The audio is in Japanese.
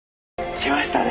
来ましたね。